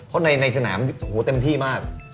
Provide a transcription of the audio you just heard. เพราะในสนามเต็มที่มาก